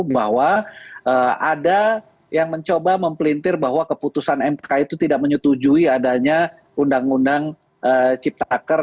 bahwa ada yang mencoba mempelintir bahwa keputusan mk itu tidak menyetujui adanya undang undang ciptaker